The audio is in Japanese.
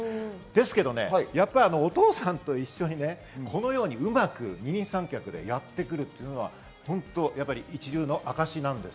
けれど、お父さんと一緒に、このようにうまく二人三脚でやってくるというのは一流の証です。